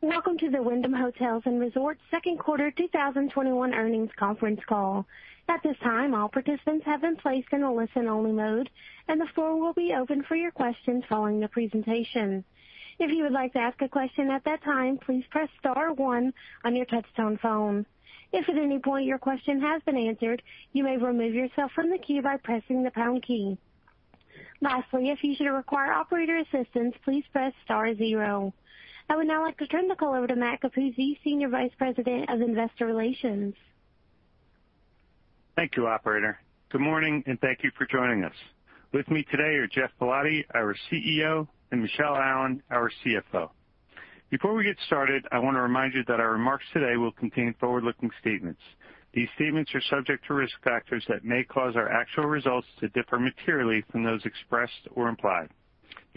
Welcome to the Wyndham Hotels & Resorts second quarter 2021 earnings conference call. At this time, all participants have been placed in a listen-only mode, and the floor will be open for your questions following the presentation. If you would like to ask a question at that time, please press star one on your touch-tone phone. If at any point your question has been answered, you may remove yourself from the queue by pressing the pound key. Lastly, if you should require operator assistance, please press star zero. I would now like to turn the call over to Matt Capuzzi, Senior Vice President of Investor Relations. Thank you, Operator. Good morning, and thank you for joining us. With me today are Geoff Ballotti, our CEO, and Michele Allen, our CFO. Before we get started, I want to remind you that our remarks today will contain forward-looking statements. These statements are subject to risk factors that may cause our actual results to differ materially from those expressed or implied.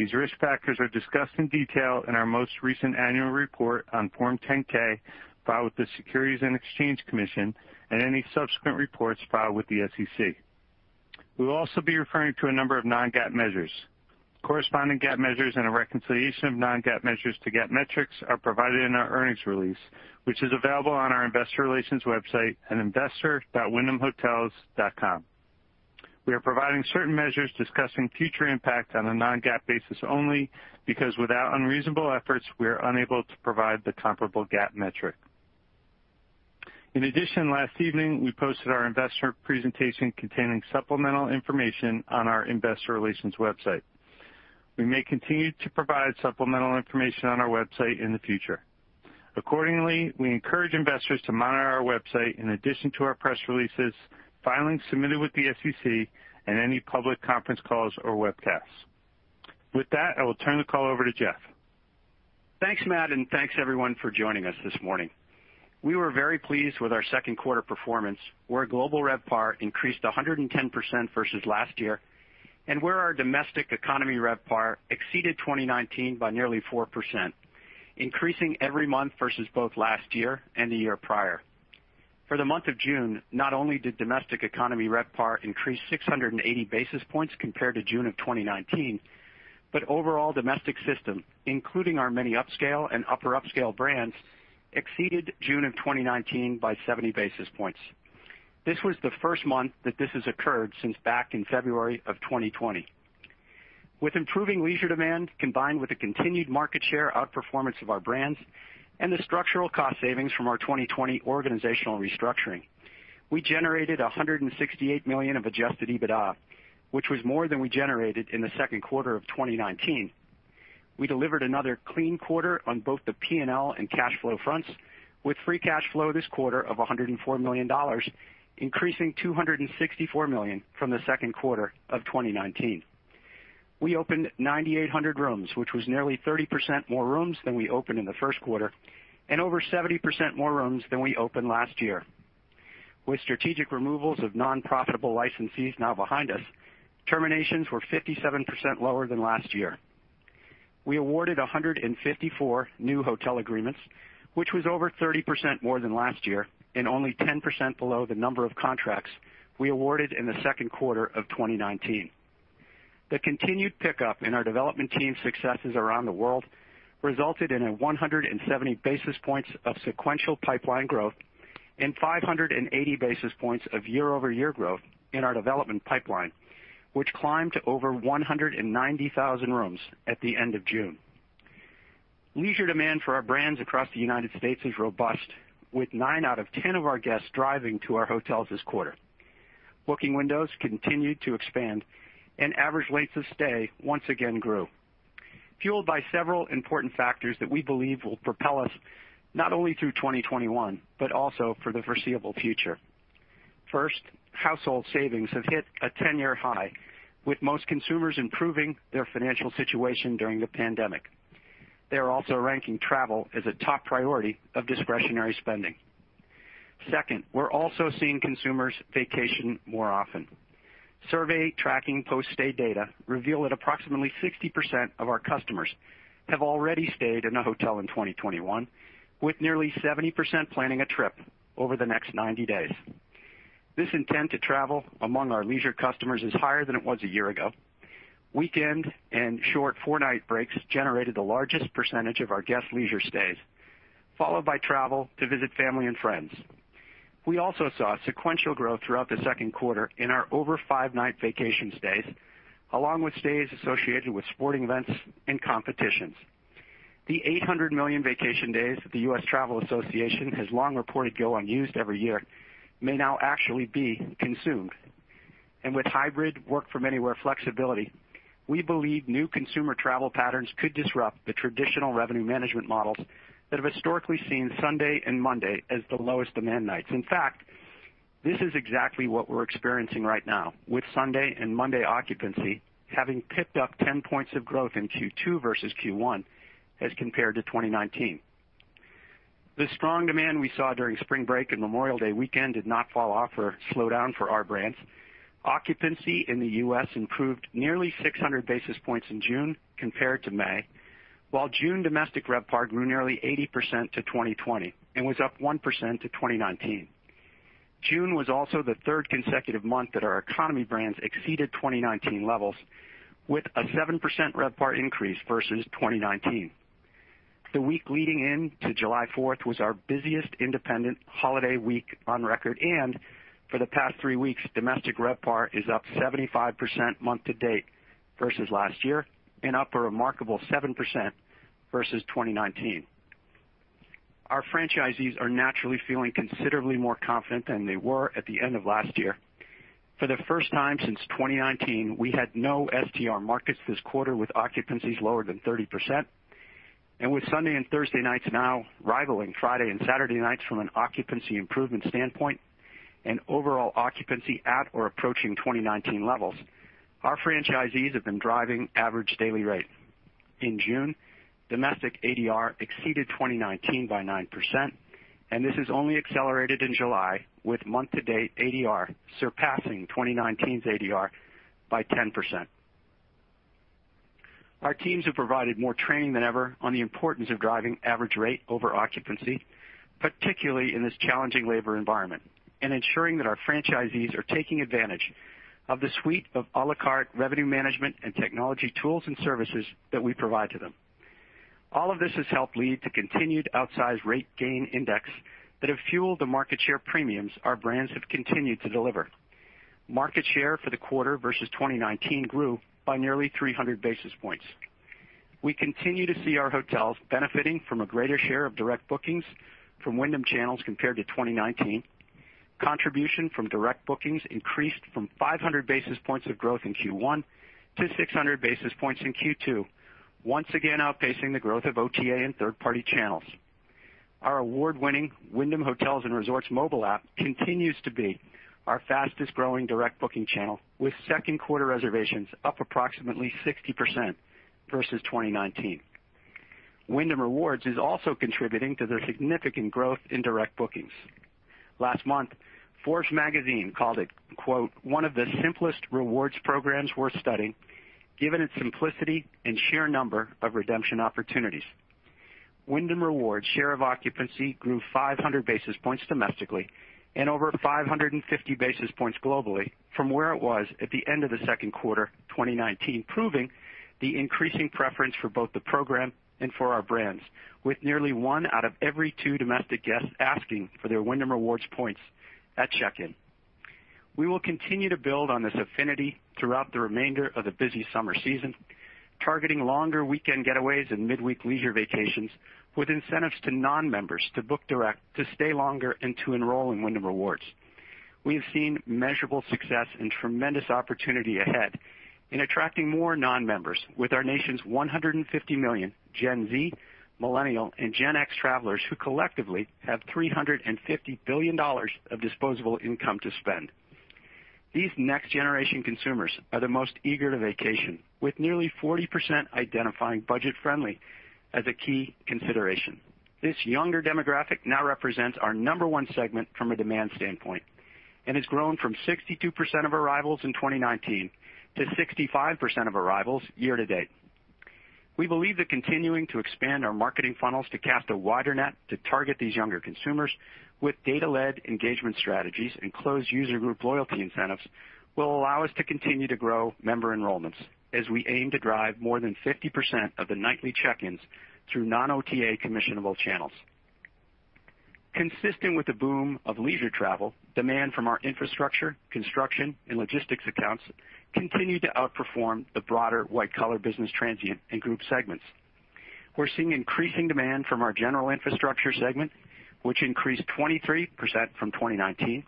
These risk factors are discussed in detail in our most recent annual report on Form 10-K, filed with the Securities and Exchange Commission, and any subsequent reports filed with the SEC. We will also be referring to a number of non-GAAP measures. Corresponding GAAP measures and a reconciliation of non-GAAP measures to GAAP metrics are provided in our earnings release, which is available on our Investor Relations website at investor.wyndhamhotels.com. We are providing certain measures discussing future impact on a non-GAAP basis only because, without unreasonable efforts, we are unable to provide the comparable GAAP metric. In addition, last evening we posted our investor presentation containing supplemental information on our Investor Relations website. We may continue to provide supplemental information on our website in the future. Accordingly, we encourage investors to monitor our website in addition to our press releases, filings submitted with the SEC, and any public conference calls or webcasts. With that, I will turn the call over to Geoff. Thanks, Matt, and thanks, everyone, for joining us this morning. We were very pleased with our second quarter performance, where global RevPAR increased 110% versus last year, and where our domestic economy RevPAR exceeded 2019 by nearly 4%, increasing every month versus both last year and the year prior. For the month of June, not only did domestic economy RevPAR increase 680 basis points compared to June of 2019, but overall domestic system, including our many upscale and upper upscale brands, exceeded June of 2019 by 70 basis points. This was the first month that this has occurred since back in February of 2020. With improving leisure demand combined with the continued market share outperformance of our brands and the structural cost savings from our 2020 organizational restructuring, we generated $168 million of Adjusted EBITDA, which was more than we generated in the second quarter of 2019. We delivered another clean quarter on both the P&L and cash flow fronts, with free cash flow this quarter of $104 million, increasing $264 million from the second quarter of 2019. We opened 9,800 rooms, which was nearly 30% more rooms than we opened in the first quarter and over 70% more rooms than we opened last year. With strategic removals of non-profitable licensees now behind us, terminations were 57% lower than last year. We awarded 154 new hotel agreements, which was over 30% more than last year and only 10% below the number of contracts we awarded in the second quarter of 2019. The continued pickup in our development team's successes around the world resulted in 170 basis points of sequential pipeline growth and 580 basis points of year-over-year growth in our development pipeline, which climbed to over 190,000 rooms at the end of June. Leisure demand for our brands across the United States is robust, with 9 out of 10 of our guests driving to our hotels this quarter. Booking windows continued to expand, and average lengths of stay once again grew, fueled by several important factors that we believe will propel us not only through 2021 but also for the foreseeable future. First, household savings have hit a 10-year high, with most consumers improving their financial situation during the pandemic. They are also ranking travel as a top priority of discretionary spending. Second, we're also seeing consumers vacation more often. Survey tracking post-stay data reveal that approximately 60% of our customers have already stayed in a hotel in 2021, with nearly 70% planning a trip over the next 90 days. This intent to travel among our leisure customers is higher than it was a year ago. Weekend and short four-night breaks generated the largest percentage of our guest leisure stays, followed by travel to visit family and friends. We also saw sequential growth throughout the second quarter in our over five-night vacation stays, along with stays associated with sporting events and competitions. The 800 million vacation days that the U.S. Travel Association has long reported go unused every year may now actually be consumed, and with hybrid work-from-anywhere flexibility, we believe new consumer travel patterns could disrupt the traditional revenue management models that have historically seen Sunday and Monday as the lowest demand nights. In fact, this is exactly what we're experiencing right now, with Sunday and Monday occupancy having picked up 10 points of growth in Q2 versus Q1 as compared to 2019. The strong demand we saw during spring break and Memorial Day weekend did not fall off or slow down for our brands. Occupancy in the U.S. improved nearly 600 basis points in June compared to May, while June domestic RevPAR grew nearly 80% to 2020 and was up 1% to 2019. June was also the third consecutive month that our economy brands exceeded 2019 levels, with a 7% RevPAR increase versus 2019. The week leading into July 4th was our busiest independent holiday week on record, and for the past three weeks, domestic RevPAR is up 75% month-to-date versus last year and up a remarkable 7% versus 2019. Our franchisees are naturally feeling considerably more confident than they were at the end of last year. For the first time since 2019, we had no STR markets this quarter with occupancies lower than 30%. With Sunday and Thursday nights now rivaling Friday and Saturday nights from an occupancy improvement standpoint and overall occupancy at or approaching 2019 levels, our franchisees have been driving average daily rate. In June, domestic ADR exceeded 2019 by 9%, and this has only accelerated in July, with month-to-date ADR surpassing 2019's ADR by 10%. Our teams have provided more training than ever on the importance of driving average rate over occupancy, particularly in this challenging labor environment, and ensuring that our franchisees are taking advantage of the suite of à la carte revenue management and technology tools and services that we provide to them. All of this has helped lead to continued outsized rate gain index that have fueled the market share premiums our brands have continued to deliver. Market share for the quarter versus 2019 grew by nearly 300 basis points. We continue to see our hotels benefiting from a greater share of direct bookings from Wyndham channels compared to 2019. Contribution from direct bookings increased from 500 basis points of growth in Q1 to 600 basis points in Q2, once again outpacing the growth of OTA and third-party channels. Our award-winning Wyndham Hotels & Resorts mobile app continues to be our fastest-growing direct booking channel, with second quarter reservations up approximately 60% versus 2019. Wyndham Rewards is also contributing to the significant growth in direct bookings. Last month, Forbes magazine called it, quote, "One of the simplest rewards programs worth studying, given its simplicity and sheer number of redemption opportunities." Wyndham Rewards' share of occupancy grew 500 basis points domestically and over 550 basis points globally from where it was at the end of the second quarter 2019, proving the increasing preference for both the program and for our brands, with nearly one out of every two domestic guests asking for their Wyndham Rewards points at check-in. We will continue to build on this affinity throughout the remainder of the busy summer season, targeting longer weekend getaways and midweek leisure vacations with incentives to non-members to book direct, to stay longer, and to enroll in Wyndham Rewards. We have seen measurable success and tremendous opportunity ahead in attracting more non-members with our nation's 150 million Gen Z, Millennial, and Gen X travelers who collectively have $350 billion of disposable income to spend. These next-generation consumers are the most eager to vacation, with nearly 40% identifying budget-friendly as a key consideration. This younger demographic now represents our number one segment from a demand standpoint and has grown from 62% of arrivals in 2019 to 65% of arrivals year-to-date. We believe that continuing to expand our marketing funnels to cast a wider net to target these younger consumers with data-led engagement strategies and closed user group loyalty incentives will allow us to continue to grow member enrollments as we aim to drive more than 50% of the nightly check-ins through non-OTA commissionable channels. Consistent with the boom of leisure travel, demand from our infrastructure, construction, and logistics accounts continued to outperform the broader white-collar business transient and group segments. We're seeing increasing demand from our general infrastructure segment, which increased 23% from 2019,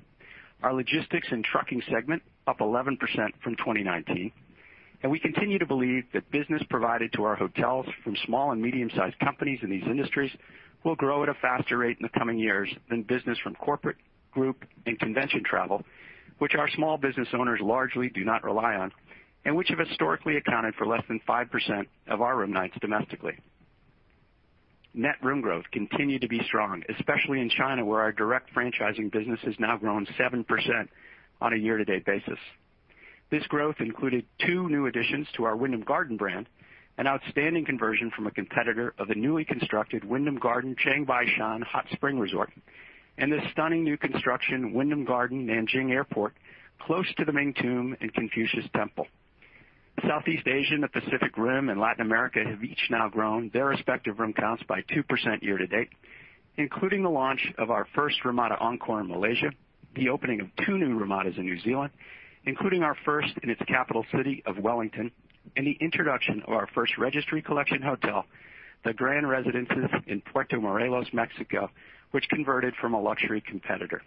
our logistics and trucking segment up 11% from 2019, and we continue to believe that business provided to our hotels from small and medium-sized companies in these industries will grow at a faster rate in the coming years than business from corporate, group, and convention travel, which our small business owners largely do not rely on and which have historically accounted for less than 5% of our room nights domestically. Net room growth continued to be strong, especially in China, where our direct franchising business has now grown 7% on a year-to-date basis. This growth included two new additions to our Wyndham Garden brand, an outstanding conversion from a competitor of the newly constructed Wyndham Garden Chiang Mai Doi Saket Hot Spring Resort, and the stunning new construction Wyndham Garden Nanjing Airport close to the Ming Tomb and Confucius Temple. Southeast Asia, the Pacific Rim, and Latin America have each now grown their respective room counts by 2% year-to-date, including the launch of our first Ramada Encore in Malaysia, the opening of two new Ramadas in New Zealand, including our first in its capital city of Wellington, and the introduction of our first Registry Collection hotel, the Grand Residences in Puerto Morelos, Mexico, which converted from a luxury competitor.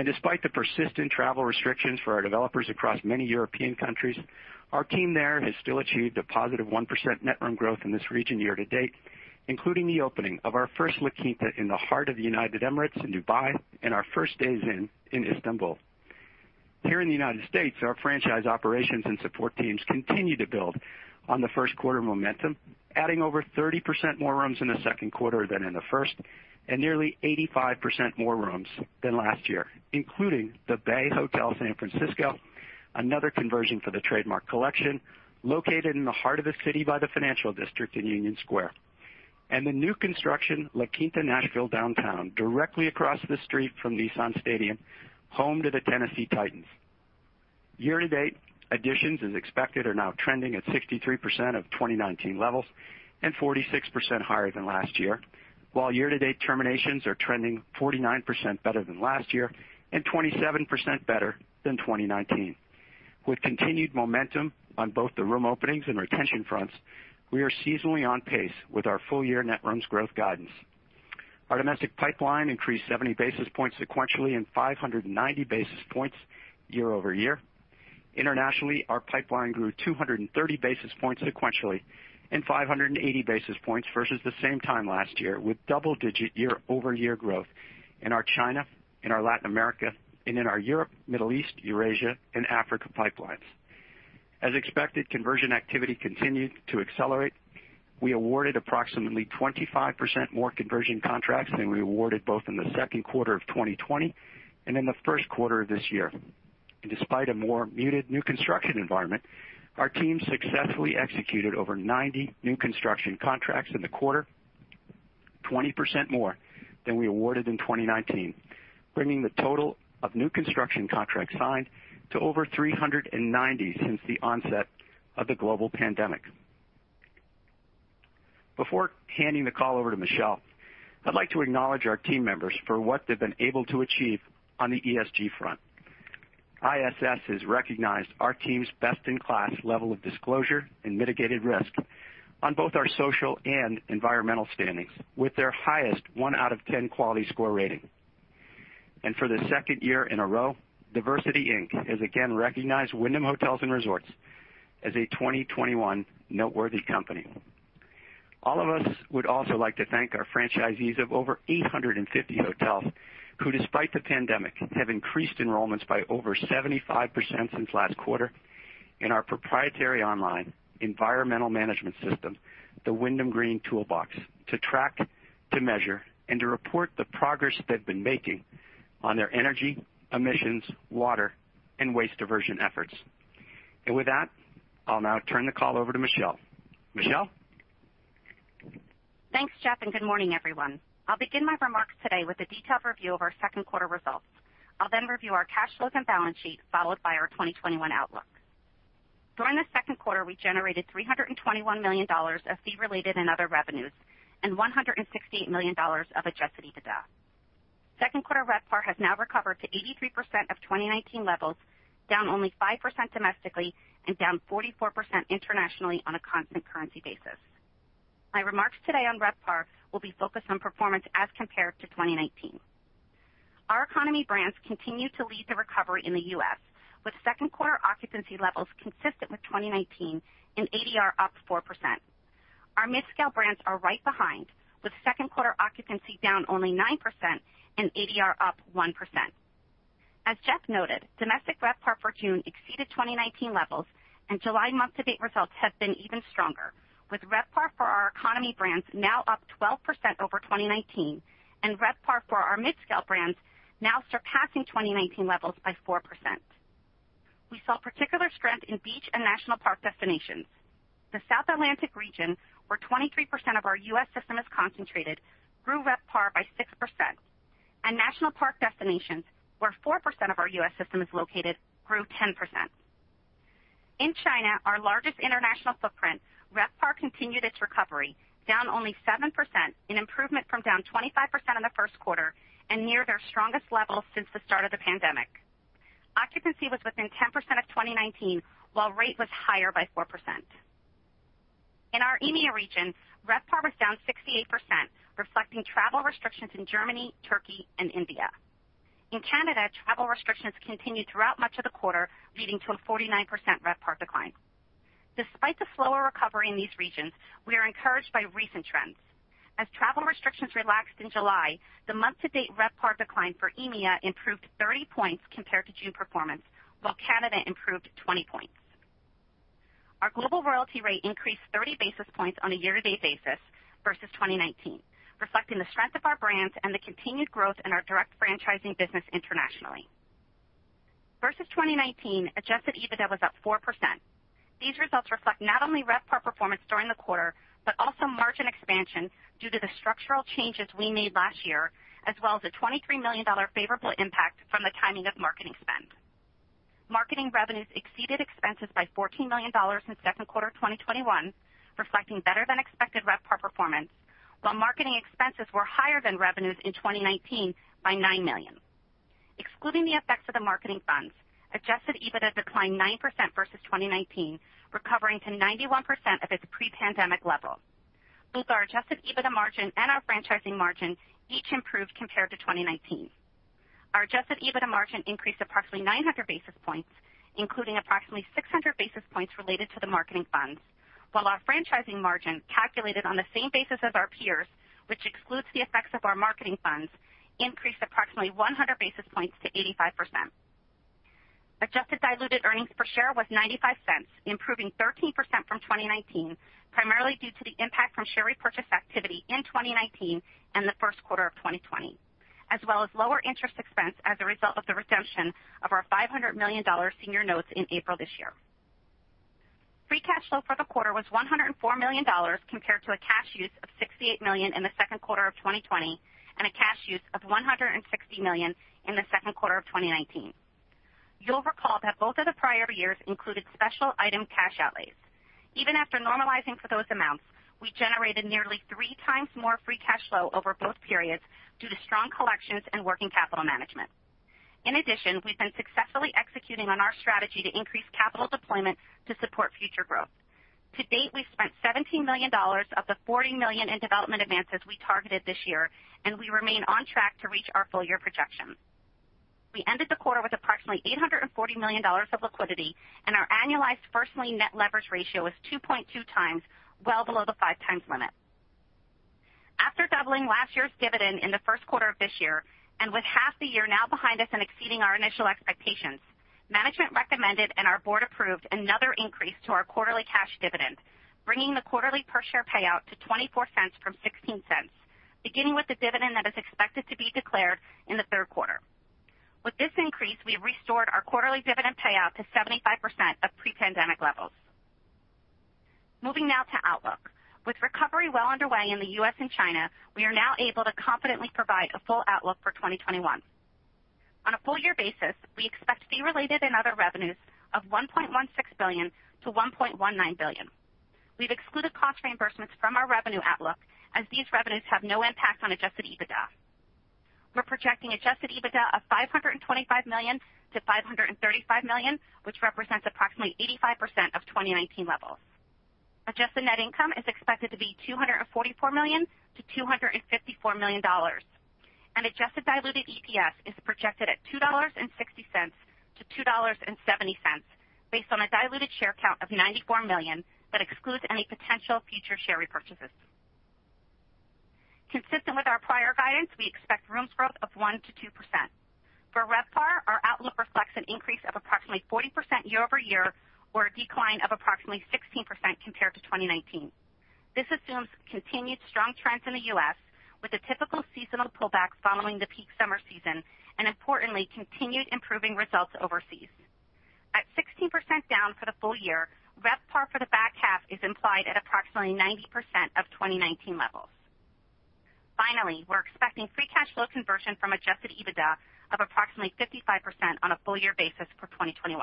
And despite the persistent travel restrictions for our developers across many European countries, our team there has still achieved a positive 1% net room growth in this region year-to-date, including the opening of our first La Quinta in the heart of the United Arab Emirates in Dubai and our first Days Inn in Istanbul. Here in the United States, our franchise operations and support teams continue to build on the first quarter momentum, adding over 30% more rooms in the second quarter than in the first and nearly 85% more rooms than last year, including The BEI Hotel San Francisco, another conversion for the Trademark Collection located in the heart of the city by the Financial District in Union Square, and the new construction La Quinta Nashville Downtown directly across the street from Nissan Stadium, home to the Tennessee Titans. Year-to-date, additions as expected are now trending at 63% of 2019 levels and 46% higher than last year, while year-to-date terminations are trending 49% better than last year and 27% better than 2019. With continued momentum on both the room openings and retention fronts, we are seasonally on pace with our full-year net rooms growth guidance. Our domestic pipeline increased 70 basis points sequentially and 590 basis points year-over-year. Internationally, our pipeline grew 230 basis points sequentially and 580 basis points versus the same time last year, with double-digit year-over-year growth in our China, in our Latin America, and in our Europe, Middle East, Eurasia, and Africa pipelines. As expected, conversion activity continued to accelerate. We awarded approximately 25% more conversion contracts than we awarded both in the second quarter of 2020 and in the first quarter of this year. Despite a more muted new construction environment, our team successfully executed over 90 new construction contracts in the quarter, 20% more than we awarded in 2019, bringing the total of new construction contracts signed to over 390 since the onset of the global pandemic. Before handing the call over to Michele, I'd like to acknowledge our team members for what they've been able to achieve on the ESG front. ISS has recognized our team's best-in-class level of disclosure and mitigated risk on both our social and environmental standings with their highest one out of 10 quality score rating. For the second year in a row, DiversityInc has again recognized Wyndham Hotels & Resorts as a 2021 noteworthy company. All of us would also like to thank our franchisees of over 850 hotels who, despite the pandemic, have increased enrollments by over 75% since last quarter in our proprietary online environmental management system, the Wyndham Green Toolbox, to track, to measure, and to report the progress they've been making on their energy, emissions, water, and waste diversion efforts. And with that, I'll now turn the call over to Michele. Michele? Thanks, Geoff, and good morning, everyone. I'll begin my remarks today with a detailed review of our second quarter results. I'll then review our cash flows and balance sheet, followed by our 2021 outlook. During the second quarter, we generated $321 million of fee-related and other revenues and $168 million of Adjusted EBITDA. Second quarter RevPAR has now recovered to 83% of 2019 levels, down only 5% domestically and down 44% internationally on a constant currency basis. My remarks today on RevPAR will be focused on performance as compared to 2019. Our economy brands continue to lead the recovery in the U.S., with second quarter occupancy levels consistent with 2019 and ADR up 4%. Our mid-scale brands are right behind, with second quarter occupancy down only 9% and ADR up 1%. As Geoff noted, domestic RevPAR for June exceeded 2019 levels, and July month-to-date results have been even stronger, with RevPAR for our economy brands now up 12% over 2019 and RevPAR for our mid-scale brands now surpassing 2019 levels by 4%. We saw particular strength in beach and national park destinations. The South Atlantic region, where 23% of our U.S. system is concentrated, grew RevPAR by 6%, and national park destinations, where 4% of our U.S. system is located, grew 10%. In China, our largest international footprint, RevPAR continued its recovery, down only 7%, an improvement from down 25% in the first quarter and near their strongest levels since the start of the pandemic. Occupancy was within 10% of 2019, while rate was higher by 4%. In our EMEA region, RevPAR was down 68%, reflecting travel restrictions in Germany, Turkey, and India. In Canada, travel restrictions continued throughout much of the quarter, leading to a 49% RevPAR decline. Despite the slower recovery in these regions, we are encouraged by recent trends. As travel restrictions relaxed in July, the month-to-date RevPAR decline for EMEA improved 30 points compared to June performance, while Canada improved 20 points. Our global royalty rate increased 30 basis points on a year-to-date basis versus 2019, reflecting the strength of our brands and the continued growth in our direct franchising business internationally. Versus 2019, Adjusted EBITDA was up 4%. These results reflect not only RevPAR performance during the quarter but also margin expansion due to the structural changes we made last year, as well as a $23 million favorable impact from the timing of marketing spend. Marketing revenues exceeded expenses by $14 million in second quarter 2021, reflecting better-than-expected RevPAR performance, while marketing expenses were higher than revenues in 2019 by $9 million. Excluding the effects of the marketing funds, adjusted EBITDA declined 9% versus 2019, recovering to 91% of its pre-pandemic level. Both our adjusted EBITDA margin and our franchising margin each improved compared to 2019. Our adjusted EBITDA margin increased approximately 900 basis points, including approximately 600 basis points related to the marketing funds, while our franchising margin, calculated on the same basis as our peers, which excludes the effects of our marketing funds, increased approximately 100 basis points to 85%. Adjusted diluted earnings per share was $0.95, improving 13% from 2019, primarily due to the impact from share repurchase activity in 2019 and the first quarter of 2020, as well as lower interest expense as a result of the redemption of our $500 million senior notes in April this year. Free cash flow for the quarter was $104 million compared to a cash use of $68 million in the second quarter of 2020 and a cash use of $160 million in the second quarter of 2019. You'll recall that both of the prior years included special item cash outlays. Even after normalizing for those amounts, we generated nearly 3x more free cash flow over both periods due to strong collections and working capital management. In addition, we've been successfully executing on our strategy to increase capital deployment to support future growth. To date, we've spent $17 million of the $40 million in development advances we targeted this year, and we remain on track to reach our full-year projection. We ended the quarter with approximately $840 million of liquidity, and our annualized first-lien net leverage ratio is 2.2 times, well below the five-times limit. After doubling last year's dividend in the first quarter of this year and with half the year now behind us and exceeding our initial expectations, management recommended and our board approved another increase to our quarterly cash dividend, bringing the quarterly per share payout to $0.24 from $0.16, beginning with the dividend that is expected to be declared in the third quarter. With this increase, we've restored our quarterly dividend payout to 75% of pre-pandemic levels. Moving now to Outlook. With recovery well underway in the U.S. and China, we are now able to confidently provide a full outlook for 2021. On a full-year basis, we expect fee-related and other revenues of $1.16 billion-$1.19 billion. We've excluded cost reimbursements from our revenue outlook as these revenues have no impact on adjusted EBITDA. We're projecting adjusted EBITDA of $525 million-$535 million, which represents approximately 85% of 2019 levels. Adjusted net income is expected to be $244 million-$254 million, and adjusted diluted EPS is projected at $2.60-$2.70 based on a diluted share count of 94 million that excludes any potential future share repurchases. Consistent with our prior guidance, we expect rooms growth of 1%-2%. For RevPAR, our outlook reflects an increase of approximately 40% year-over-year or a decline of approximately 16% compared to 2019. This assumes continued strong trends in the U.S., with a typical seasonal pullback following the peak summer season and, importantly, continued improving results overseas. At 16% down for the full year, RevPAR for the back half is implied at approximately 90% of 2019 levels. Finally, we're expecting free cash flow conversion from Adjusted EBITDA of approximately 55% on a full-year basis for 2021.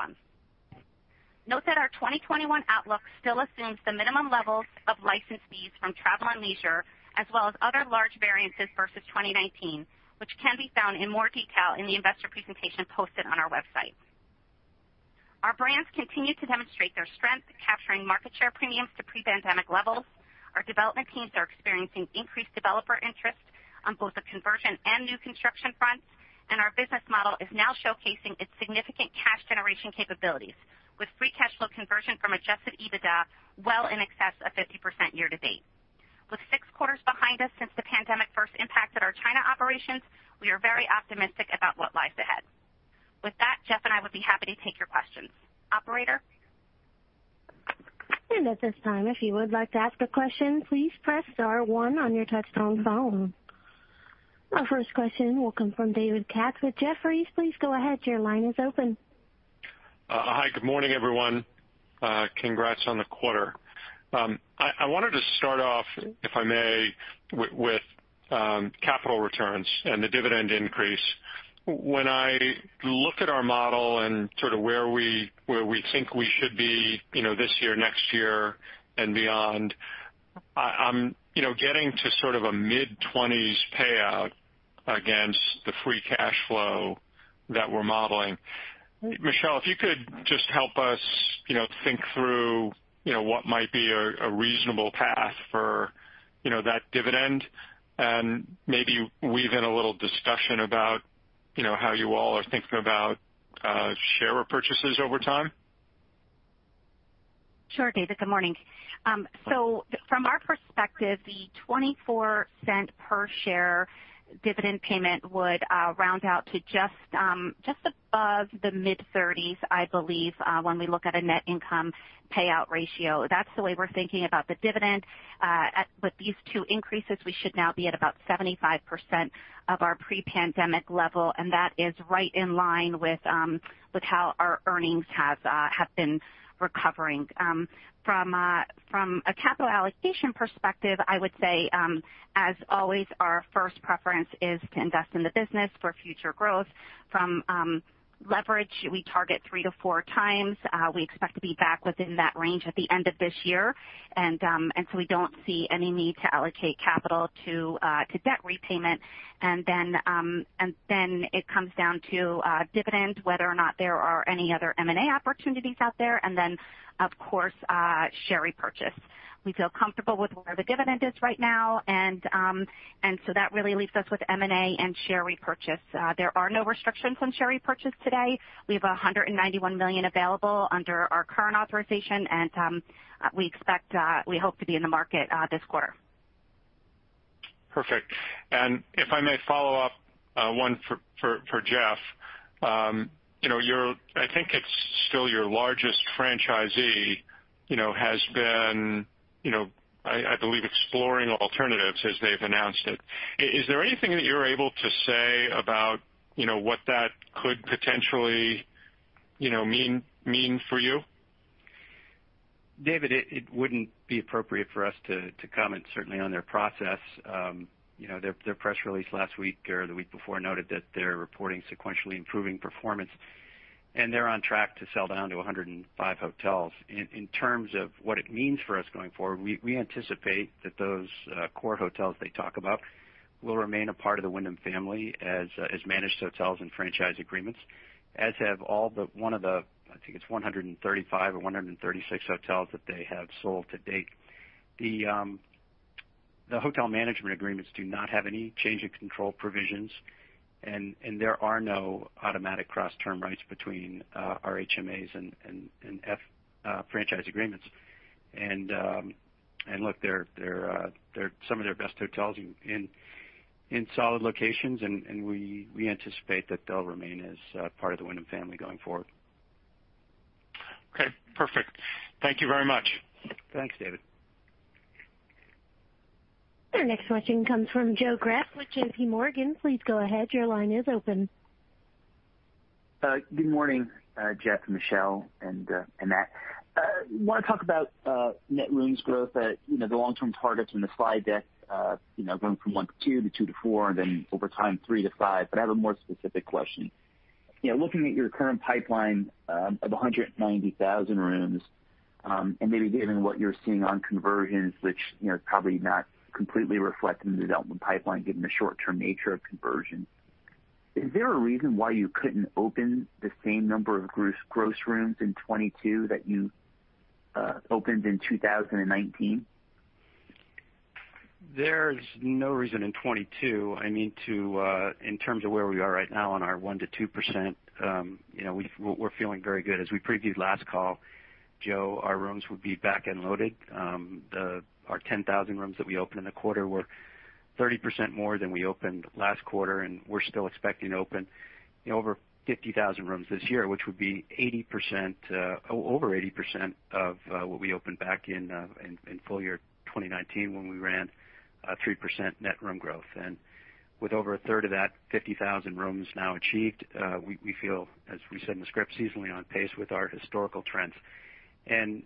Note that our 2021 outlook still assumes the minimum levels of license fees from Travel + Leisure, as well as other large variances versus 2019, which can be found in more detail in the investor presentation posted on our website. Our brands continue to demonstrate their strength, capturing market share premiums to pre-pandemic levels. Our development teams are experiencing increased developer interest on both the conversion and new construction fronts, and our business model is now showcasing its significant cash generation capabilities, with free-cash flow conversion from Adjusted EBITDA well in excess of 50% year-to-date. With six quarters behind us since the pandemic first impacted our China operations, we are very optimistic about what lies ahead. With that, Geoff and I would be happy to take your questions. Operator? At this time, if you would like to ask a question, please press star one on your touch-tone phone. Our first question will come from David Katz with Jefferies, please go ahead. Your line is open. Hi. Good morning, everyone. Congrats on the quarter. I wanted to start off, if I may, with capital returns and the dividend increase. When I look at our model and sort of where we think we should be this year, next year, and beyond, I'm getting to sort of a mid-20s payout against the free cash flow that we're modeling. Michele, if you could just help us think through what might be a reasonable path for that dividend and maybe weave in a little discussion about how you all are thinking about share repurchases over time. Sure, David. Good morning. So from our perspective, the $0.24 per share dividend payment would round out to just above the mid-30s, I believe, when we look at a net income payout ratio. That's the way we're thinking about the dividend. With these two increases, we should now be at about 75% of our pre-pandemic level, and that is right in line with how our earnings have been recovering. From a capital allocation perspective, I would say, as always, our first preference is to invest in the business for future growth. From leverage, we target three to four times. We expect to be back within that range at the end of this year, and so we don't see any need to allocate capital to debt repayment. And then it comes down to dividend, whether or not there are any other M&A opportunities out there, and then, of course, share repurchase. We feel comfortable with where the dividend is right now, and so that really leaves us with M&A and share repurchase. There are no restrictions on share repurchase today. We have $191 million available under our current authorization, and we expect, we hope to be in the market this quarter. Perfect. And if I may follow up one for Geoff, I think it's still your largest franchisee has been, I believe, exploring alternatives as they've announced it. Is there anything that you're able to say about what that could potentially mean for you? David, it wouldn't be appropriate for us to comment, certainly, on their process. Their press release last week or the week before noted that they're reporting sequentially improving performance, and they're on track to sell down to 105 hotels. In terms of what it means for us going forward, we anticipate that those core hotels they talk about will remain a part of the Wyndham family as managed hotels and franchise agreements, as have all the, I think it's 135 or 136 hotels that they have sold to date. The hotel management agreements do not have any change in control provisions, and there are no automatic cross-term rights between our HMAs and franchise agreements. And look, they're some of their best hotels in solid locations, and we anticipate that they'll remain as part of the Wyndham family going forward. Okay. Perfect. Thank you very much. Thanks, David. Our next question comes from Joe Greff with JPMorgan. Please go ahead. Your line is open. Good morning, Geoff, Michele, and Matt. I want to talk about net room growth, the long-term targets, and the slide deck going from one to two to two to four, and then over time, three to five. But I have a more specific question. Looking at your current pipeline of 190,000 rooms and maybe given what you're seeing on conversions, which is probably not completely reflecting the development pipeline given the short-term nature of conversions, is there a reason why you couldn't open the same number of gross rooms in 2022 that you opened in 2019? There's no reason in 2022. I mean, in terms of where we are right now on our 1-2%, we're feeling very good. As we previewed last call, Joe, our rooms would be back and loaded. Our 10,000 rooms that we opened in the quarter were 30% more than we opened last quarter, and we're still expecting to open over 50,000 rooms this year, which would be over 80% of what we opened back in full year 2019 when we ran 3% net room growth. And with over a third of that, 50,000 rooms now achieved, we feel, as we said in the script, seasonally on pace with our historical trends. And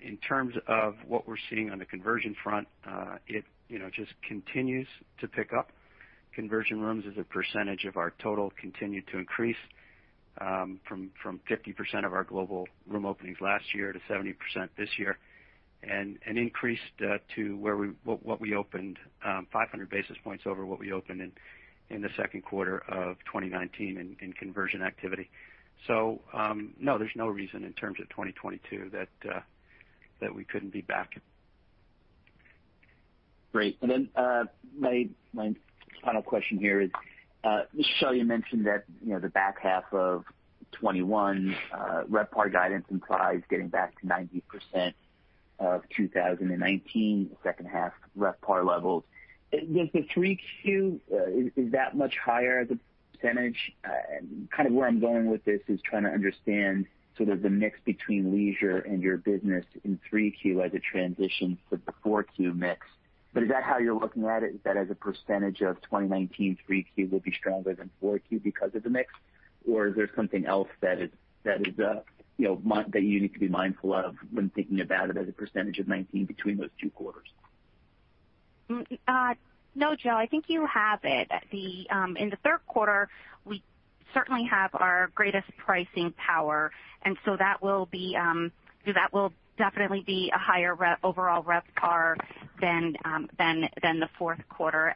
in terms of what we're seeing on the conversion front, it just continues to pick up. Conversion rooms as a percentage of our total continue to increase from 50% of our global room openings last year to 70% this year and increased to what we opened 500 basis points over what we opened in the second quarter of 2019 in conversion activity. So no, there's no reason in terms of 2022 that we couldn't be back. Great. And then my final question here is, Michele, you mentioned that the back half of 2021, RevPAR guidance implies getting back to 90% of 2019 second-half RevPAR levels. Does the 3Q, is that much higher as a percentage? Kind of where I'm going with this is trying to understand sort of the mix between leisure and your business in 3Q as it transitions to the 4Q mix. But is that how you're looking at it? Is that as a percentage of 2019 3Q would be stronger than 4Q because of the mix? Or is there something else that you need to be mindful of when thinking about it as a percentage of 2019 between those two quarters? No, Joe, I think you have it. In the third quarter, we certainly have our greatest pricing power, and so that will definitely be a higher overall RevPAR than the fourth quarter.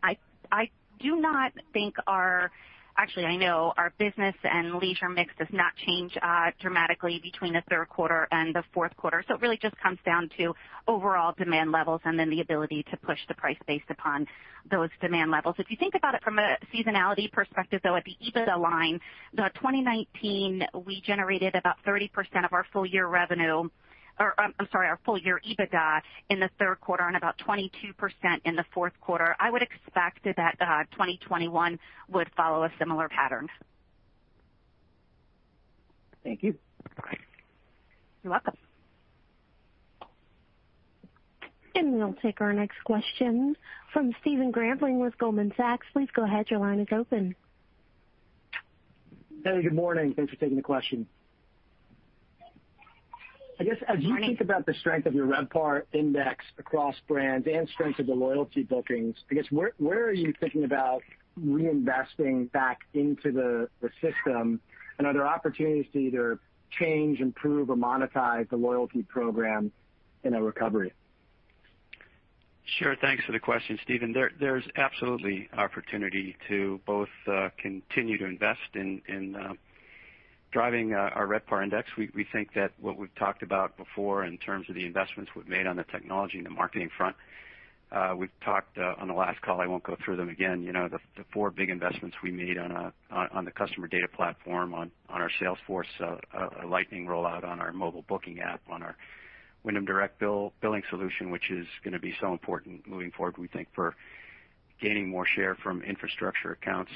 I do not think our, actually, I know our business and leisure mix does not change dramatically between the third quarter and the fourth quarter. So it really just comes down to overall demand levels and then the ability to push the price based upon those demand levels. If you think about it from a seasonality perspective, though, at the EBITDA line, in 2019, we generated about 30% of our full-year revenue, or I'm sorry, our full-year EBITDA in the third quarter and about 22% in the fourth quarter. I would expect that 2021 would follow a similar pattern. Thank you. You're welcome. We'll take our next question from Stephen Gramling with Goldman Sachs. Please go ahead. Your line is open. Hey, good morning. Thanks for taking the question. I guess as you think about the strength of your RevPAR index across brands and strength of the loyalty bookings, I guess where are you thinking about reinvesting back into the system, and are there opportunities to either change, improve, or monetize the loyalty program in a recovery? Sure. Thanks for the question, Steven. There's absolutely opportunity to both continue to invest in driving our RevPAR index. We think that what we've talked about before in terms of the investments we've made on the technology and the marketing front, we've talked on the last call, I won't go through them again, the four big investments we made on the customer data platform, on our Salesforce Lightning rollout, on our mobile booking app, on our Wyndham Direct billing solution, which is going to be so important moving forward, we think, for gaining more share from infrastructure accounts,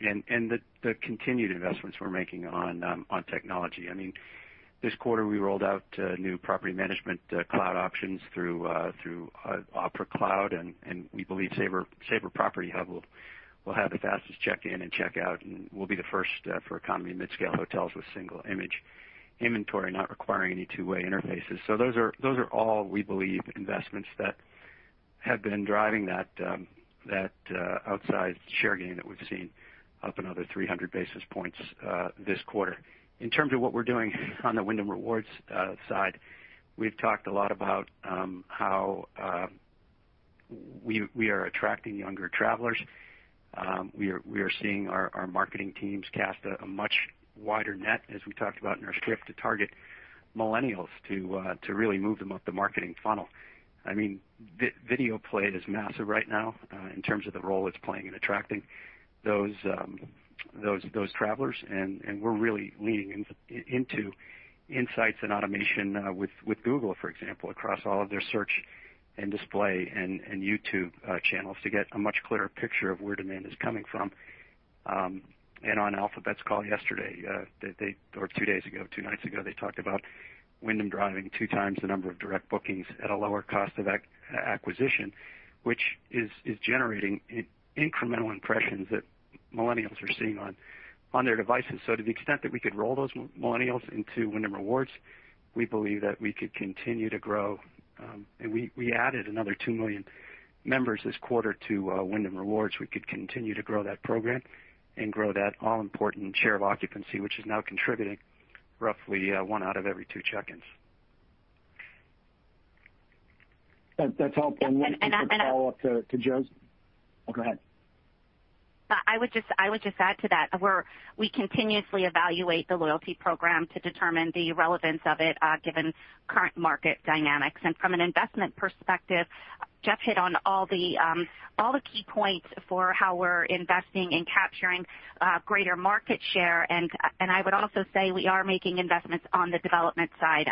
and the continued investments we're making on technology. I mean, this quarter, we rolled out new property management cloud options through Opera Cloud, and we believe Sabre Property Hub will have the fastest check-in and check-out, and we'll be the first for economy mid-scale hotels with single image inventory, not requiring any two-way interfaces. So those are all, we believe, investments that have been driving that outsized share gain that we've seen up another 300 basis points this quarter. In terms of what we're doing on the Wyndham Rewards side, we've talked a lot about how we are attracting younger travelers. We are seeing our marketing teams cast a much wider net, as we talked about in our script, to target millennials to really move them up the marketing funnel. I mean, video play is massive right now in terms of the role it's playing in attracting those travelers, and we're really leaning into insights and automation with Google, for example, across all of their search and display and YouTube channels to get a much clearer picture of where demand is coming from. On Alphabet's call yesterday, or two days ago, two nights ago, they talked about Wyndham driving two times the number of direct bookings at a lower cost of acquisition, which is generating incremental impressions that millennials are seeing on their devices. To the extent that we could roll those millennials into Wyndham Rewards, we believe that we could continue to grow. We added another two million members this quarter to Wyndham Rewards. We could continue to grow that program and grow that all-important share of occupancy, which is now contributing roughly one out of every two check-ins. That's helpful. And one final follow-up to Joe's. Oh, go ahead. I would just add to that. We continuously evaluate the loyalty program to determine the relevance of it given current market dynamics. And from an investment perspective, Geoff hit on all the key points for how we're investing in capturing greater market share. And I would also say we are making investments on the development side.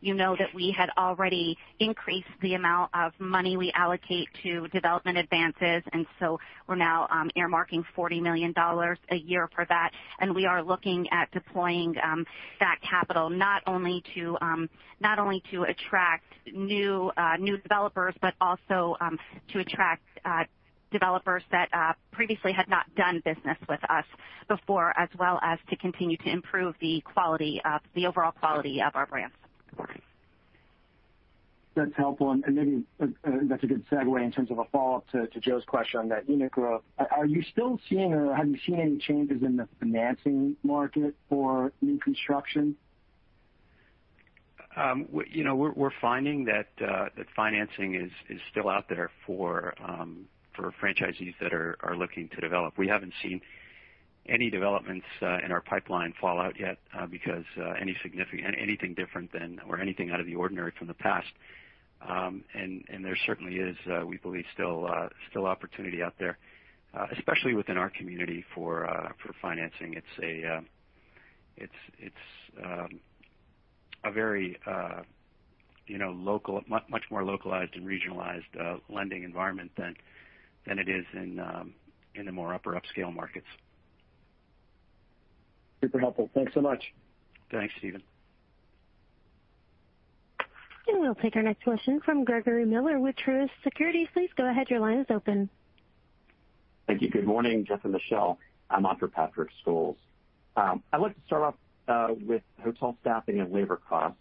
You know that we had already increased the amount of money we allocate to development advances, and so we're now earmarking $40 million a year for that. And we are looking at deploying that capital not only to attract new developers, but also to attract developers that previously had not done business with us before, as well as to continue to improve the overall quality of our brands. That's helpful, and maybe that's a good segue in terms of a follow-up to Joe's question on that unit growth. Are you still seeing, or have you seen any changes in the financing market for new construction? We're finding that financing is still out there for franchisees that are looking to develop. We haven't seen any developments in our pipeline fall out yet because anything different than or anything out of the ordinary from the past. And there certainly is, we believe, still opportunity out there, especially within our community for financing. It's a very local, much more localized and regionalized lending environment than it is in the more upper-upscale markets. Super helpful. Thanks so much. Thanks, Steven. We'll take our next question from Gregory Miller with Truist Securities. Please go ahead. Your line is open. Thank you. Good morning, Geoff and Michele. I'm Patrick Scholes. I'd like to start off with hotel staffing and labor costs.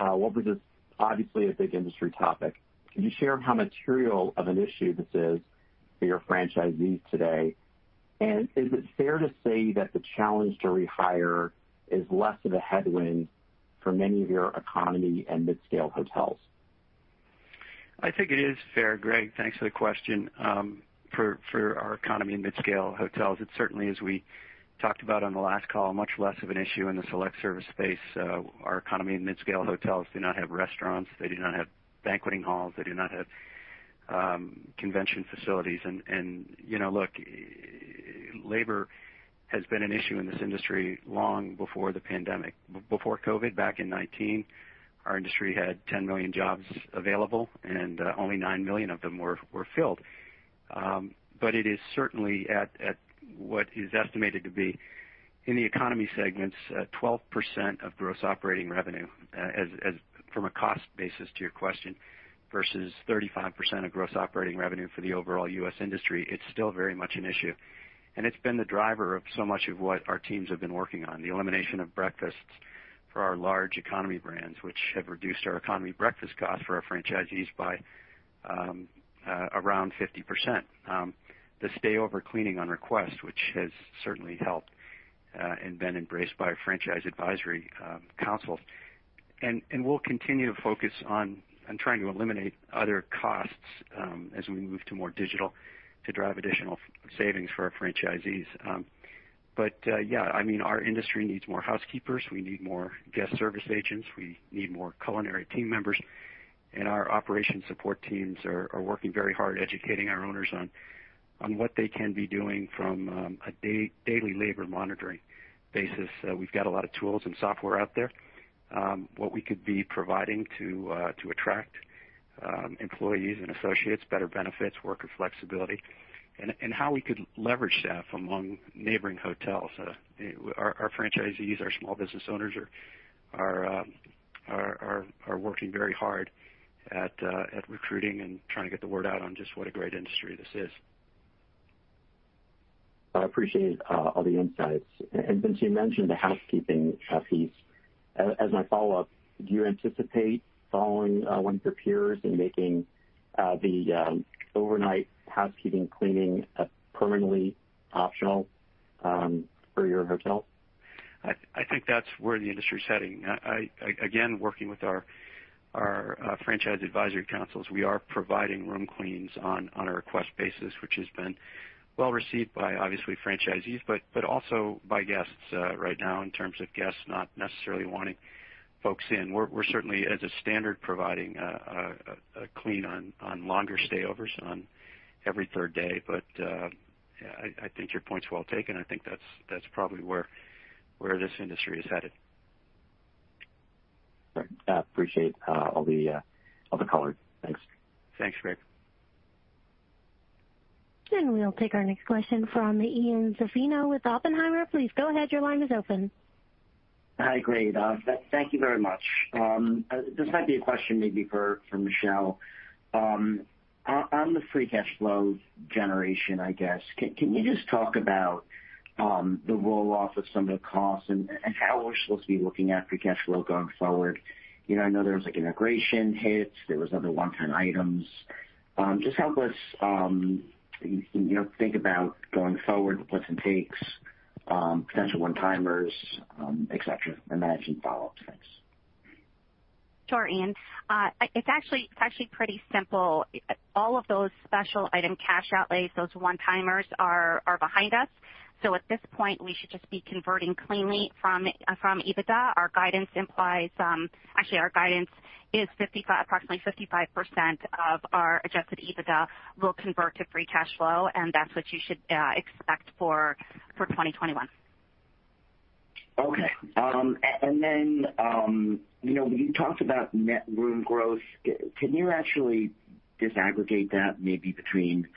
This is obviously a big industry topic. Can you share how material of an issue this is for your franchisees today? And is it fair to say that the challenge to rehire is less of a headwind for many of your economy and mid-scale hotels? I think it is fair, Greg. Thanks for the question. For our economy and mid-scale hotels, it certainly is, we talked about on the last call, much less of an issue in the select service space. Our economy and mid-scale hotels do not have restaurants. They do not have banqueting halls. They do not have convention facilities, and look, labor has been an issue in this industry long before the pandemic. Before COVID, back in 2019, our industry had 10 million jobs available, and only 9 million of them were filled. But it is certainly, at what is estimated to be in the economy segments, 12% of gross operating revenue from a cost basis to your question versus 35% of gross operating revenue for the overall U.S. industry. It's still very much an issue. And it's been the driver of so much of what our teams have been working on: the elimination of breakfasts for our large economy brands, which have reduced our economy breakfast costs for our franchisees by around 50%. The stay-over cleaning on request, which has certainly helped and been embraced by our franchise advisory council. And we'll continue to focus on trying to eliminate other costs as we move to more digital to drive additional savings for our franchisees. But yeah, I mean, our industry needs more housekeepers. We need more guest service agents. We need more culinary team members. And our operations support teams are working very hard educating our owners on what they can be doing from a daily labor monitoring basis. We've got a lot of tools and software out there. What we could be providing to attract employees and associates, better benefits, worker flexibility, and how we could leverage staff among neighboring hotels. Our franchisees, our small business owners are working very hard at recruiting and trying to get the word out on just what a great industry this is. I appreciate all the insights. Since you mentioned the housekeeping piece, as my follow-up, do you anticipate following one of your peers in making the overnight housekeeping cleaning permanently optional for your hotels? I think that's where the industry's heading. Again, working with our franchise advisory councils, we are providing room cleans on a request basis, which has been well received by, obviously, franchisees, but also by guests right now in terms of guests not necessarily wanting folks in. We're certainly, as a standard, providing a clean on longer stay-overs on every third day. But I think your point's well taken. I think that's probably where this industry is headed. Great. Appreciate all the colors. Thanks. Thanks, Greg. And we'll take our next question from Ian Zaffino with Oppenheimer. Please go ahead. Your line is open. Hi, Greg. Thank you very much. This might be a question maybe for Michele. On the free cash flow generation, I guess, can you just talk about the roll-off of some of the costs and how we're supposed to be looking at free cash flow going forward? I know there was an inflation hit. There were other one-time items. Just help us think about going forward, what it takes, potential one-timers, etc. and. Sure, Ian. It's actually pretty simple. All of those special item cash outlays, those one-timers are behind us. So at this point, we should just be converting cleanly from EBITDA. Our guidance implies actually, our guidance is approximately 55% of our Adjusted EBITDA will convert to free cash flow, and that's what you should expect for 2021. Okay. And then when you talked about net room growth, can you actually disaggregate that maybe between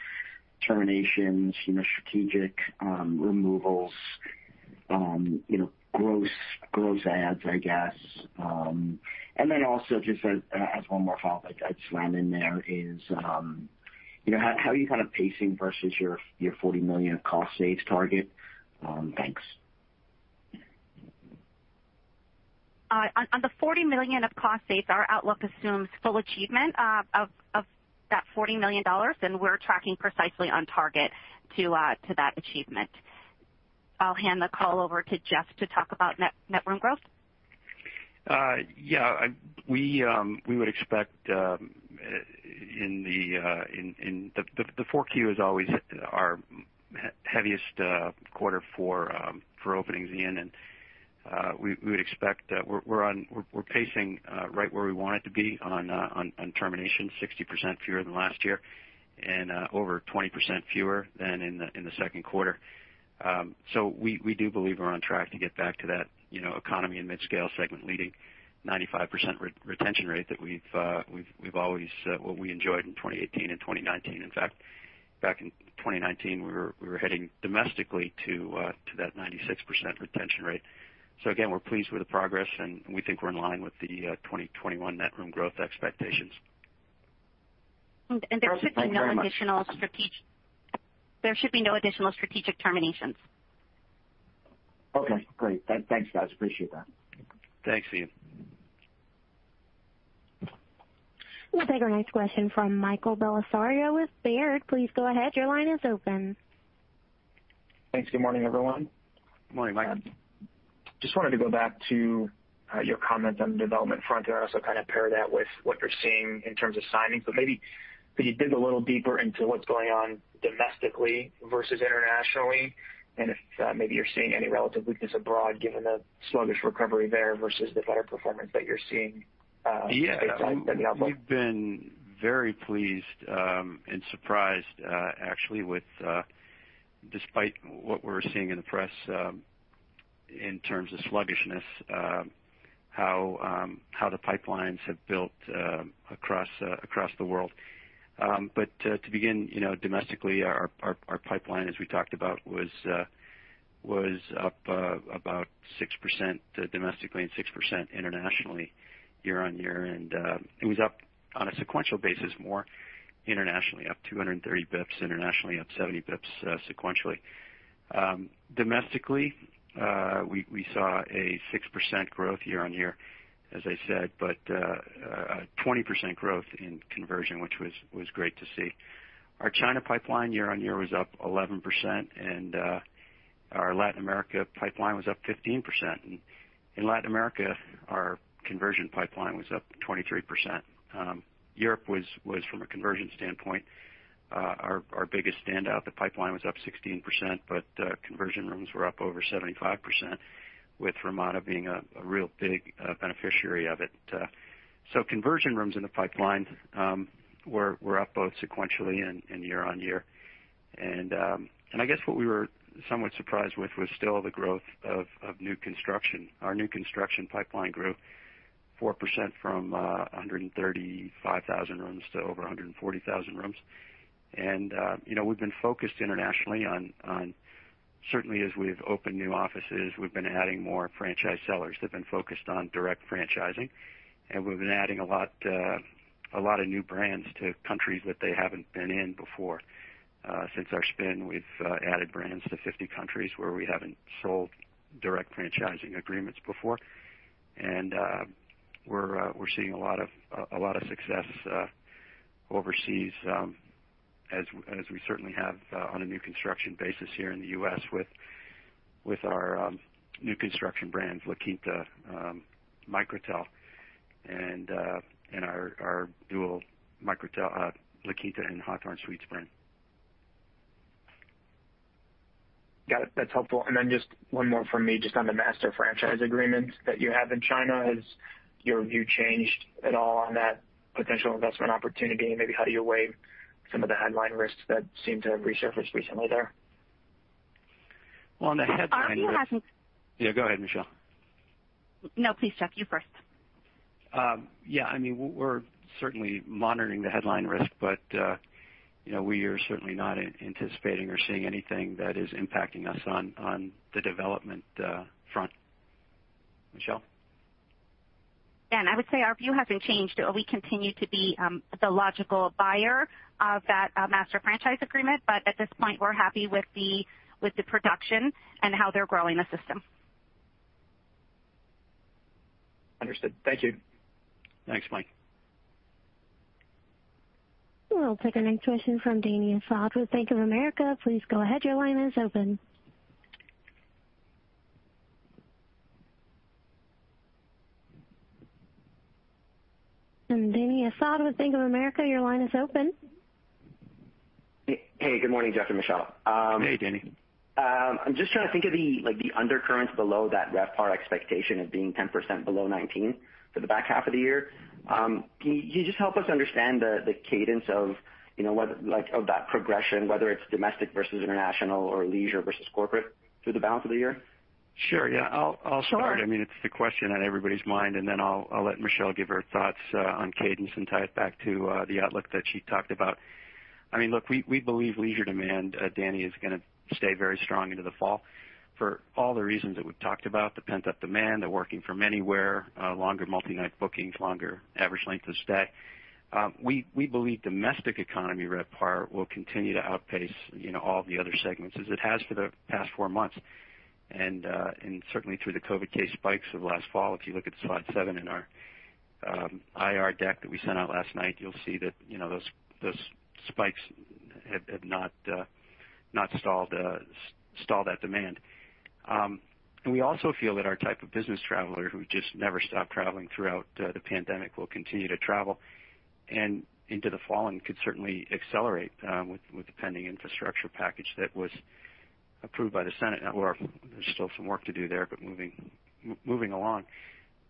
terminations, strategic removals, gross ads, I guess? And then also just as one more follow-up I'd slam in there is how are you kind of pacing versus your $40 million of cost saves target? Thanks. On the $40 million of cost saves, our outlook assumes full achievement of that $40 million, and we're tracking precisely on target to that achievement. I'll hand the call over to Geoff to talk about net room growth. Yeah. We would expect the fourth quarter is always our heaviest quarter for openings, Ian. And we would expect we're pacing right where we want it to be on terminations, 60% fewer than last year and over 20% fewer than in the second quarter. So we do believe we're on track to get back to that economy and mid-scale segment leading 95% retention rate that we've always enjoyed in 2018 and 2019. In fact, back in 2019, we were heading domestically to that 96% retention rate. So again, we're pleased with the progress, and we think we're in line with the 2021 net room growth expectations. There should be no additional strategic terminations. Okay. Great. Thanks, guys. Appreciate that. Thanks, Ian. We'll take our next question from Michael Bellisario with Baird. Please go ahead. Your line is open. Thanks. Good morning, everyone. Good morning, Mike. Just wanted to go back to your comment on the development front. I also kind of pair that with what you're seeing in terms of signings. But maybe could you dig a little deeper into what's going on domestically versus internationally? And if maybe you're seeing any relative weakness abroad given the sluggish recovery there versus the better performance that you're seeing stateside? Yeah. We've been very pleased and surprised, actually, despite what we're seeing in the press in terms of sluggishness, how the pipelines have built across the world, but to begin, domestically, our pipeline, as we talked about, was up about 6% domestically and 6% internationally year on year. And it was up on a sequential basis more internationally, up 230 basis points internationally, up 70 basis points sequentially. Domestically, we saw a 6% growth year on year, as I said, but 20% growth in conversion, which was great to see. Our China pipeline year on year was up 11%, and our Latin America pipeline was up 15%, and in Latin America, our conversion pipeline was up 23%. Europe was, from a conversion standpoint, our biggest standout. The pipeline was up 16%, but conversion rooms were up over 75%, with Ramada being a real big beneficiary of it. Conversion rooms in the pipeline were up both sequentially and year on year. And I guess what we were somewhat surprised with was still the growth of new construction. Our new construction pipeline grew 4% from 135,000 rooms to over 140,000 rooms. And we've been focused internationally on certainly, as we've opened new offices, we've been adding more franchise sellers. They've been focused on direct franchising, and we've been adding a lot of new brands to countries that they haven't been in before. Since our spin, we've added brands to 50 countries where we haven't sold direct franchising agreements before. And we're seeing a lot of success overseas, as we certainly have on a new construction basis here in the U.S. with our new construction brands, La Quinta, Microtel, and our dual Microtel, La Quinta, and Hawthorn Suites. Got it. That's helpful. And then just one more from me. Just on the master franchise agreements that you have in China, has your view changed at all on that potential investment opportunity? And maybe how do you weigh some of the headline risks that seem to have resurfaced recently there? On the headline. You have some- Yeah. Go ahead, Michele. No, please, Geoff. You first. Yeah. I mean, we're certainly monitoring the headline risk, but we are certainly not anticipating or seeing anything that is impacting us on the development front. Michele? Yeah, and I would say our view hasn't changed. We continue to be the logical buyer of that master franchise agreement, but at this point, we're happy with the production and how they're growing the system. Understood. Thank you. Thanks, Mike. We'll take our next question from Dany Asad with Bank of America. Please go ahead. Your line is open. And Dany Asad with Bank of America, your line is open. Hey. Good morning, Geoff and Michele. Hey, Dany. I'm just trying to think of the undercurrents below that RevPAR expectation of being 10% below 19 for the back half of the year. Can you just help us understand the cadence of that progression, whether it's domestic versus international or leisure versus corporate through the balance of the year? Sure. Yeah. I'll start. I mean, it's the question on everybody's mind, and then I'll let Michele give her thoughts on cadence and tie it back to the outlook that she talked about. I mean, look, we believe leisure demand, Dany, is going to stay very strong into the fall for all the reasons that we've talked about: the pent-up demand, the working from anywhere, longer multi-night bookings, longer average length of stay. We believe domestic economy RevPAR will continue to outpace all the other segments as it has for the past four months. And certainly, through the COVID case spikes of last fall, if you look at slide seven in our IR deck that we sent out last night, you'll see that those spikes have not stalled that demand. We also feel that our type of business traveler who just never stopped traveling throughout the pandemic will continue to travel into the fall and could certainly accelerate with the pending infrastructure package that was approved by the Senate. There's still some work to do there, but moving along.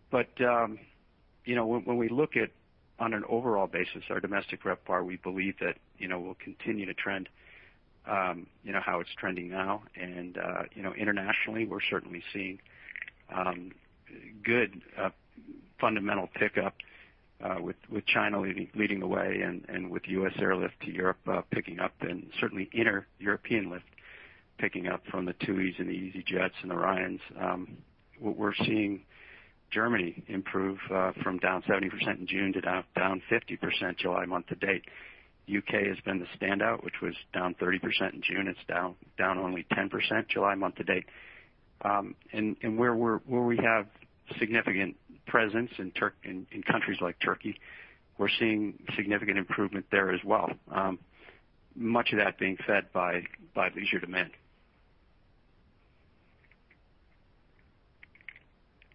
When we look at, on an overall basis, our domestic RevPAR, we believe that we'll continue to trend how it's trending now. Internationally, we're certainly seeing good fundamental pickup with China leading the way and with U.S. airlift to Europe picking up and certainly intra-European lift picking up from the TUIs and the easyJets and the Ryans. We're seeing Germany improve from down 70% in June to down 50% July month to date. The U.K. has been the standout, which was down 30% in June. It's down only 10% July month to date. Where we have significant presence in countries like Turkey, we're seeing significant improvement there as well, much of that being fed by leisure demand.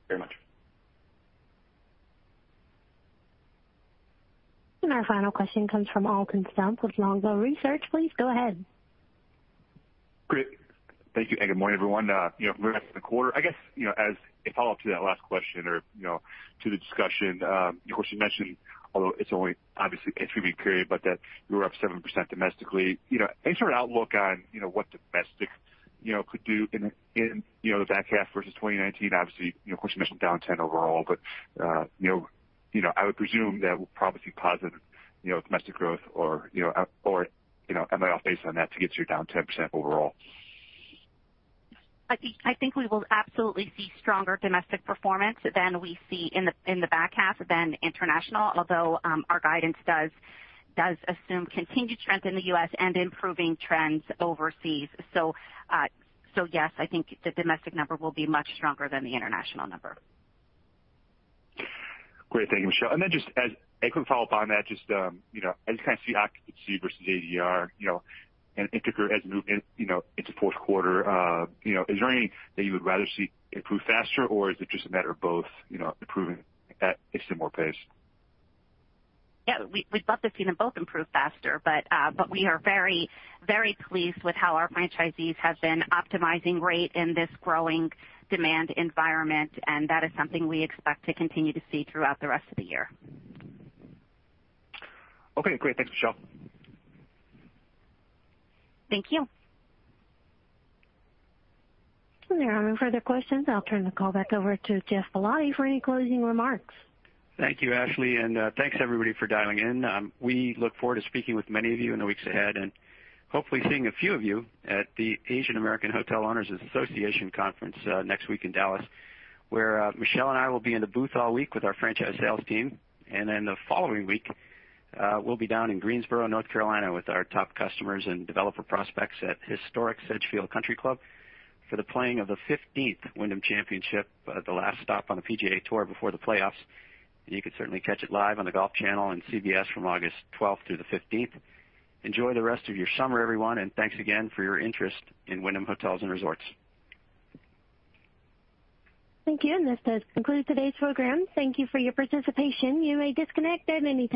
Thank you very much. Our final question comes from Alton Stump with Longbow Research. Please go ahead. Great. Thank you. And good morning, everyone. We're at the quarter. I guess as a follow-up to that last question or to the discussion, of course, you mentioned, although it's only obviously a three-week period, but that we were up 7% domestically. Any sort of outlook on what domestic could do in the back half versus 2019? Obviously, of course, you mentioned down 10% overall, but I would presume that we'll probably see positive domestic growth, or am I off base on that to get you down 10% overall? I think we will absolutely see stronger domestic performance than we see in the back half than international, although our guidance does assume continued strength in the U.S. and improving trends overseas. So yes, I think the domestic number will be much stronger than the international number. Great. Thank you, Michele. And then just as a quick follow-up on that, just as you kind of see occupancy versus ADR and RevPAR as moving into fourth quarter, is there anything that you would rather see improve faster, or is it just a matter of both improving at a similar pace? Yeah. We'd love to see them both improve faster, but we are very, very pleased with how our franchisees have been optimizing rate in this growing demand environment, and that is something we expect to continue to see throughout the rest of the year. Okay. Great. Thanks, Michele. Thank you. If there are no further questions, I'll turn the call back over to Geoff Ballotti for any closing remarks. Thank you, Ashley. And thanks, everybody, for dialing in. We look forward to speaking with many of you in the weeks ahead and hopefully seeing a few of you at the Asian American Hotel Owners Association Conference next week in Dallas, where Michele and I will be in the booth all week with our franchise sales team. And then the following week, we'll be down in Greensboro, North Carolina, with our top customers and developer prospects at historic Sedgefield Country Club for the playing of the 15th Wyndham Championship, the last stop on the PGA Tour before the playoffs. And you can certainly catch it live on the Golf Channel and CBS from August 12th through the 15th. Enjoy the rest of your summer, everyone, and thanks again for your interest in Wyndham Hotels & Resorts. Thank you. And this does conclude today's program. Thank you for your participation. You may disconnect at any.